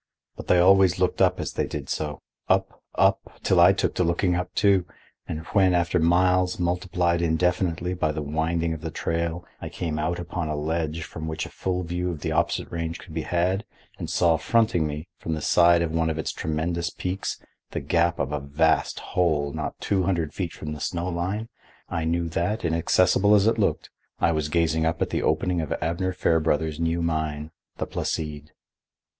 But they always looked up as they did so, up, up, till I took to looking up, too, and when, after miles multiplied indefinitely by the winding of the trail, I came out upon a ledge from which a full view of the opposite range could be had, and saw fronting me, from the side of one of its tremendous peaks, the gap of a vast hole not two hundred feet from the snowline, I knew that, inaccessible as it looked, I was gazing up at the opening of Abner Fairbrother's new mine, the Placide.